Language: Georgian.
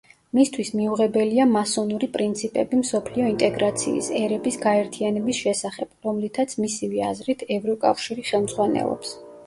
მისთვის მიუღებელია მასონური პრინციპები მსოფლიო ინტეგრაციის, ერების გაერთიანების შესახებ, რომლითაც, მისივე აზრით, ევროკავშირი ხელმძღვანელობს.